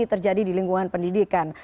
terjadi di lingkungan pendidikan